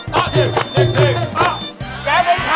แกเป็นใคร